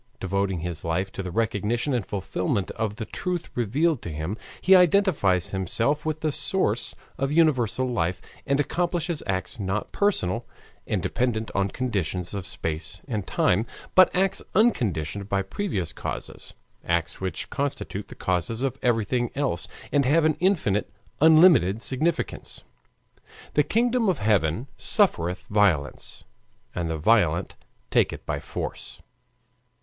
Devoting his life to the recognition and fulfillment of the truth revealed to him, he identifies himself with the source of universal life and accomplishes acts not personal, and dependent on conditions of space and time, but acts unconditioned by previous causes, acts which constitute the causes of everything else, and have an infinite, unlimited significance. "The kingdom of heaven suffereth violence, and the violent take it by force."